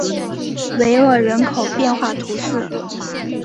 维厄人口变化图示